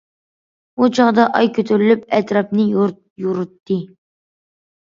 بۇ چاغدا ئاي كۆتۈرۈلۈپ ئەتراپنى يورۇتتى.